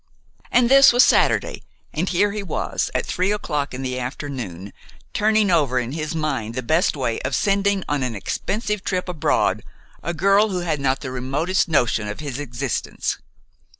And this was Saturday, and here he was, at three o'clock in the afternoon, turning over in his mind the best way of sending on an expensive trip abroad a girl who had not the remotest notion of his existence.